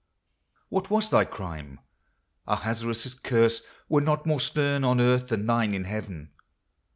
What was thy crime ? Ahasuerus' curse Were not more stern on earth than thine in heaven